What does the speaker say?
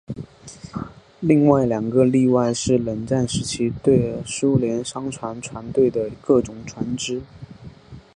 另外两个例外是冷战时期的苏联商船船队的各种船只。